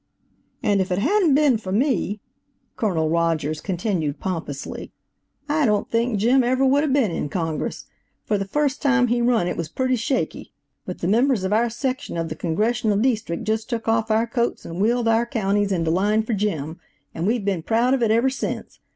"And if it hadn't been for me," (Colonel Rogers continued pompously, "I don't think Jim ever would have been in Congress; for the first time he run it was pretty shaky, but the members of our section of the Congressional Deestrict just took off our coats and wheeled our counties into line for Jim, and we've been proud of it ever sence.